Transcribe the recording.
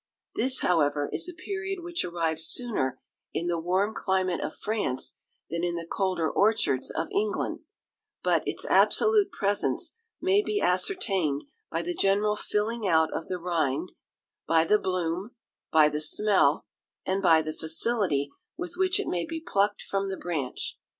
This, however, is a period which arrives sooner in the warm climate of France than in the colder orchards of England; but its absolute presence may be ascertained by the general filling out of the rind, by the bloom, by the smell, and by the facility with which it may be plucked from the branch.